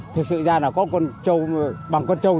thực sự ra là có con trâu bằng con trâu